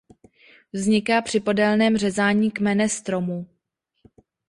Vzniká při podélném řezání kmene stromu.